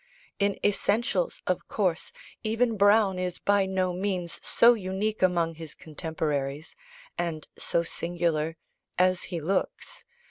In essentials, of course, even Browne is by no means so unique among his contemporaries, and so singular, as he looks.